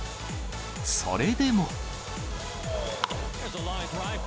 それでも。